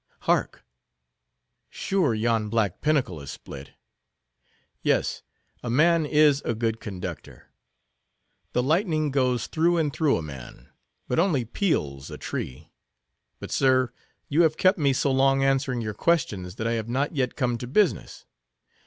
Hark! Sure, yon black pinnacle is split. Yes, a man is a good conductor. The lightning goes through and through a man, but only peels a tree. But sir, you have kept me so long answering your questions, that I have not yet come to business.